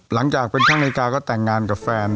หลังจากเป็นช่างนาฬิกาก็แต่งงานกับแฟน